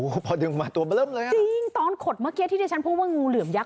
พอดึงมาตัวมันเริ่มเลยอ่ะจริงตอนขดเมื่อกี้ที่ที่ฉันพูดว่างูเหลือมยักษ